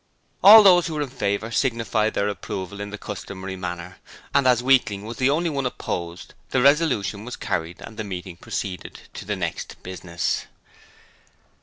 All those who were in favour signified their approval in the customary manner, and as Weakling was the only one opposed, the resolution was carried and the meeting proceeded to the next business.